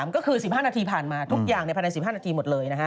ก็คือ๑๕นาทีผ่านมาทุกอย่างภายใน๑๕นาทีหมดเลยนะฮะ